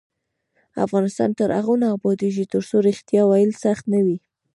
افغانستان تر هغو نه ابادیږي، ترڅو ریښتیا ویل سخت نه وي.